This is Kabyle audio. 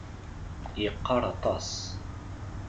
Yeqqar aṭas.